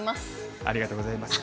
ありがとうございます。